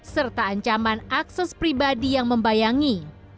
serta ancaman akses pribadi yang membayangi